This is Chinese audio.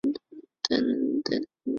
盖沃纳滕。